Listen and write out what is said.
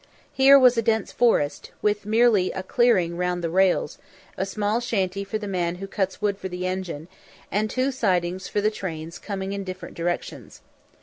Here was a dense forest, with merely a clearing round the rails, a small shanty for the man who cuts wood for the engine, and two sidings for the trains coming in different directions.